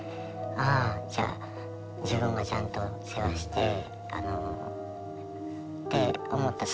「ああじゃあ自分がちゃんと世話して」って思った。